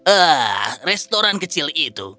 ah restoran kecil itu